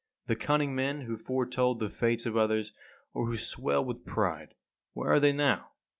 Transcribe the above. The cunning men who foretold the fates of others, or who swelled with pride where are they now?